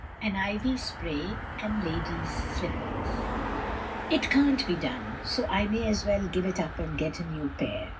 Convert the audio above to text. AN IVY SPRAY AND LADIES' SLIPPERS "IT can't be done! So I may as well give it I up and get a new pair.